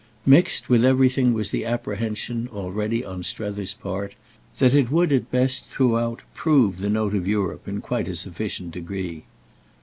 Mixed with everything was the apprehension, already, on Strether's part, that it would, at best, throughout, prove the note of Europe in quite a sufficient degree.